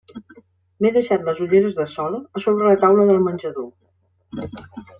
M'he deixat les ulleres de sol a sobre la taula del menjador.